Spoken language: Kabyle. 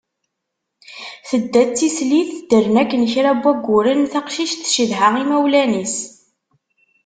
Tedda d tislit, ddren akken kra n wagguren, taqcict tcedha imawlan-is.